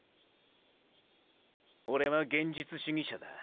オレは現実主義者だ。